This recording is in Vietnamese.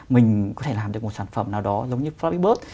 mình có thể làm được một sản phẩm nào đó giống như floppy bird